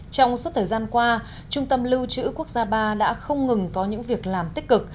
trong suốt thời gian qua trung tâm lưu trữ quốc gia ba đã không ngừng có những việc làm tích cực